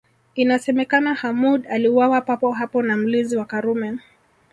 Inasemekana Hamoud aliuawa papo hapo na mlinzi wa Karume